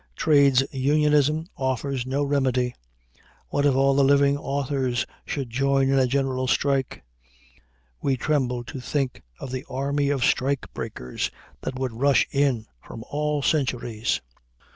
Trades unionism offers no remedy. What if all the living authors should join in a general strike! We tremble to think of the army of strike breakers that would rush in from all centuries.